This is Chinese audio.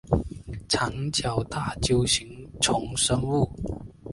长角大锹形虫生物。